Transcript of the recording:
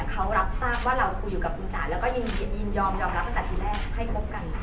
เขารับทราบว่าเราคุยอยู่กับคุณจ๋าแล้วก็ยินยอมยอมรับตั้งแต่ทีแรกให้คบกัน